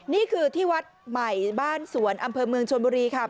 นี่คือที่วัดใหม่บ้านสวนอำเภอเมืองชนบุรีค่ะ